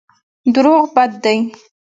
دروغ بد دی.